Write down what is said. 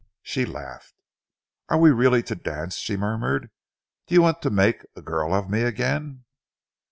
She laughed. "Are we really to dance?" she murmured. "Do you want to make a girl of me again?"